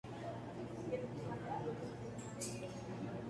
La mayoría de la electricidad actualmente se genera quemando combustibles fósiles.